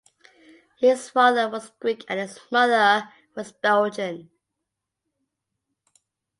His father was Greek and his mother was Belgian.